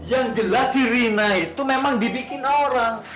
yang jelas si rina itu memang dibikin orang